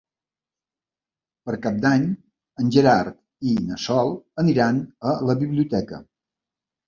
Per Cap d'Any en Gerard i na Sol aniran a la biblioteca.